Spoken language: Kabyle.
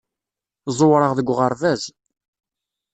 Ẓewreɣ deg uɣerbaz.